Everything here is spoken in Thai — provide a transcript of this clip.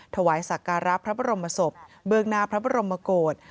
ถวายศักราพระบรมศพเบิกนาพระบรมโกรธ